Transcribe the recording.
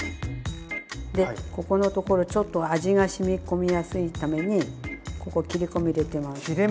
でここのところちょっと味がしみ込みやすいためにここ切り込み入れてます。